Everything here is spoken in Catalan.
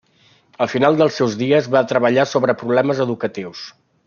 Al final dels seus dies va treballar sobre problemes educatius.